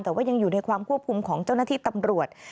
แต่ว่ายังอยู่ในความควบคุมของเจ้าหน้าที่ตำรวจ